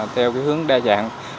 theo cái hướng đa dạng